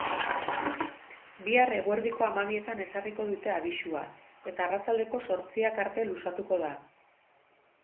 Bihar eguerdiko hamabietan ezarriko dute abisua, eta arratsaldeko zortziak arte luzatuko da.